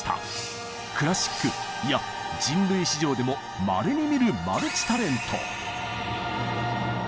クラシックいや人類史上でもまれに見るマルチ・タレント。